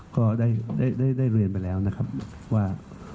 ก็ได้เรียนไปแล้วนะครับว่า